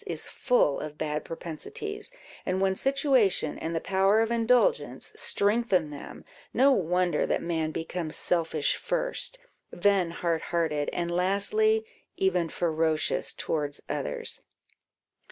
is full of bad propensities; and when situation and the power of indulgence strengthen them, no wonder that man becomes selfish first, then hard hearted, and lastly, even ferocious towards others.